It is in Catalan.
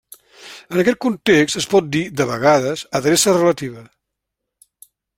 En aquest context es pot dir, de vegades, adreça relativa.